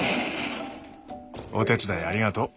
お手伝いありがとう。